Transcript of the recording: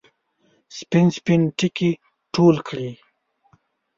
سپین، سپین ټکي ټول کړي